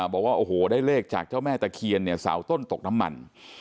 บอกว่าโอ้โหได้เลขจากเจ้าแม่ตะเคียนเนี่ยเสาต้นตกน้ำมัน